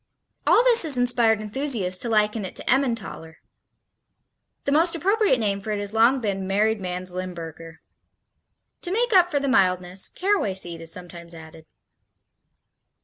All this has inspired enthusiasts to liken it to Emmentaler. The most appropriate name for it has long been "married man's Limburger." To make up for the mildness caraway seed is sometimes added.